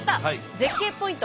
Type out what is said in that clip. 絶景ポイント